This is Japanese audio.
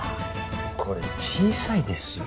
これ小さいですよ。